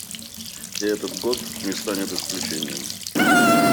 И этот год не станет исключением.